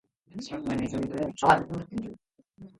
学部・学科経済学部商業学科